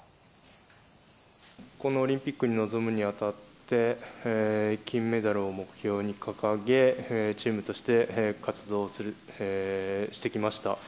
このオリンピックに臨むにあたって、金メダルを目標に掲げ、チームとして活動してきました。